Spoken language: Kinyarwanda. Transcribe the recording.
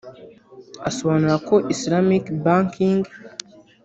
asobanura ko Islamic Banking